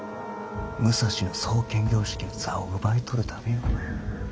武蔵の惣検校職の座を奪い取るためよ。